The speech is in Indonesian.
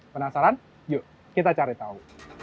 penasaran yuk kita cari tahu